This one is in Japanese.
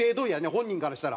本人からしたら。